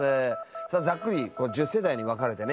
さあざっくり１０世代に分かれてね